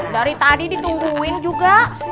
dari tadi ditungguin juga